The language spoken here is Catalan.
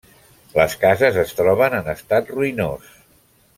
Les cases es troben en estat ruïnós.